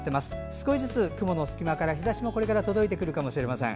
少しずつ雲の隙間から日ざしもこれから届いてくるかもしれません。